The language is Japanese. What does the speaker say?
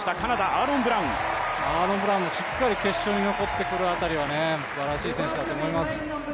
アーロン・ブラウンもしっかり決勝に残ってくる辺りは素晴らしい選手だと思います。